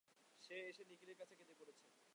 সে এসে নিখিলের কাছে কেঁদে পড়েছে।